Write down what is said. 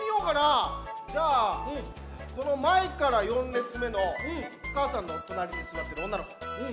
じゃあこのまえから４れつめのおかあさんのおとなりにすわってるおんなのこ。